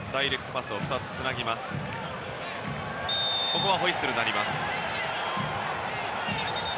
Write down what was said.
ここはホイッスルが鳴りました。